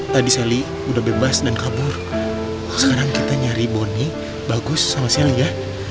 tadi sally udah bebas dan kabur sekarang kita nyari bone bagus sama sally ya